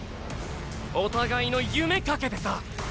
お互いの夢懸けてさ！